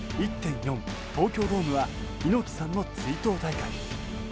４東京ドームは猪木さんの追悼大会。